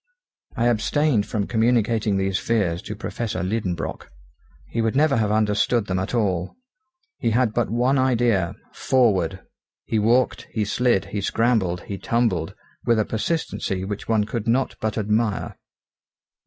I abstained from communicating these fears to Professor Liedenbrock. He would never have understood them at all. He had but one idea forward! He walked, he slid, he scrambled, he tumbled, with a persistency which one could not but admire.